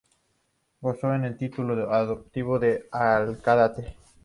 Gozó del título de hijo adoptivo de Alcaudete.